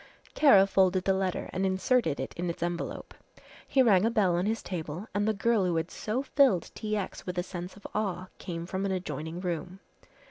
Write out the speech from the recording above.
Kara folded the letter and inserted it in its envelope. He rang a bell on his table and the girl who had so filled T. X. with a sense of awe came from an adjoining room.